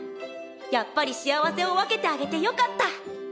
やっぱり幸せを分けてあげてよかった！